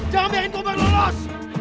jangan biarin kobar lolos